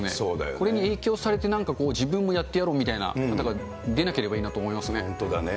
これに影響されて、なんか自分もやってやろうみたいな方が出なければいいなと思いま本当だね。